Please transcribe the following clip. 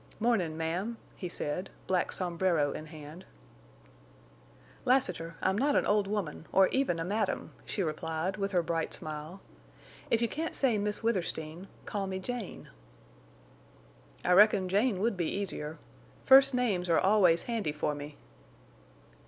"Mornin', ma'am," he said, black sombrero in hand. "Lassiter I'm not an old woman, or even a madam," she replied, with her bright smile. "If you can't say Miss Withersteen—call me Jane." "I reckon Jane would be easier. First names are always handy for me."